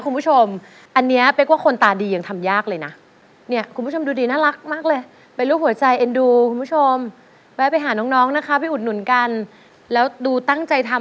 ของพี่เป๊กมีไหมคะของพี่เป๊กมีไหม